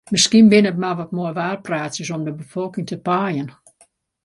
Miskien binne it mar wat moaiwaarpraatsjes om de befolking te paaien.